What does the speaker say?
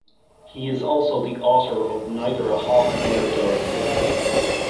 He is also the author of 'Neither a Hawk Nor a Dove.